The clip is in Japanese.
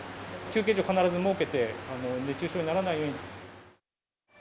休憩所を必ず設けて、熱中症にならないように。